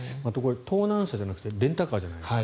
盗難車じゃなくてレンタカーじゃないですか。